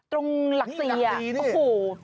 ตรงหลักสีอ่ะโอ้โฮ